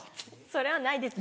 それはないです。